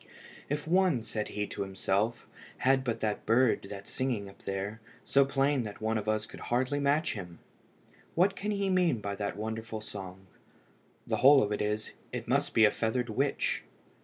"If one," said he to himself, "had but that bird that's singing up there, so plain that one of us could hardly match him! What can he mean by that wonderful song? The whole of it is, it must be a feathered witch.